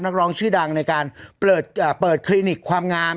นักร้องชื่อดังในการเปิดคลินิกความงาม